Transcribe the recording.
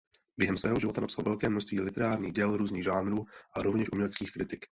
Během svého života napsal velké množství literárních děl různých žánrů a rovněž uměleckých kritik.